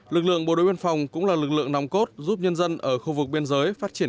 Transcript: lực lượng bộ đội biên phòng cũng là lực lượng nòng cốt giúp nhân dân ở khu vực biên giới phát triển